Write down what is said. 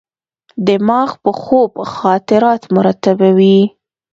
دماغ په خوب خاطرات مرتبوي.